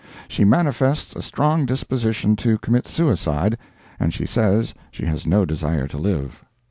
She manifests a strong disposition to commit suicide, and she says she has no desire to live.